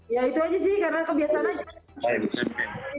ya itu aja sih karena kebiasaan aja